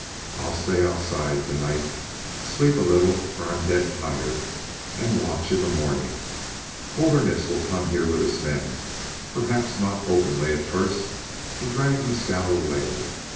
I'll stay outside to night, sleep a little for I'm dead tired and watch in the morning. Holderness will come here with his men, perhaps not openly at first, to drag Mescal away.